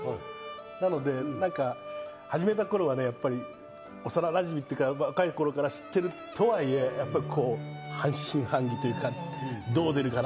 なので始めた頃はね、やっぱり幼なじみというか、若い頃から知ってるとはいえ、半信半疑というか、どう出るかな？